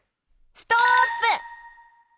ストップ！